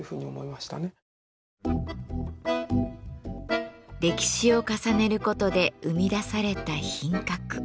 歴史を重ねる事で生み出された品格。